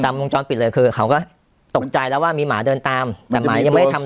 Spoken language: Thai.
วงจรปิดเลยคือเขาก็ตกใจแล้วว่ามีหมาเดินตามแต่หมายังไม่ได้ทำ